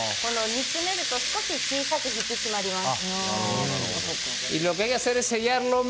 煮詰めると少し小さく引き締まります。